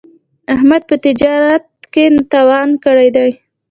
احمد په تجارت کې تاوان کړی دی.